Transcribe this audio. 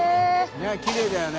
ねぇきれいだよね。